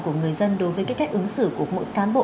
của người dân đối với cái cách ứng xử của mỗi cán bộ